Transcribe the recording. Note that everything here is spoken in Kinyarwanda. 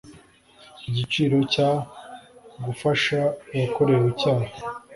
Icyiciro cya Gufasha uwakorewe icyaha